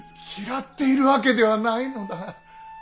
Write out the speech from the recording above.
嫌っているわけではないのだが。